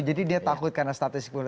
jadi dia takut karena statistik pemilu